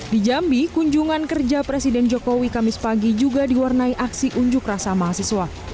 di jambi kunjungan kerja presiden jokowi kamis pagi juga diwarnai aksi unjuk rasa mahasiswa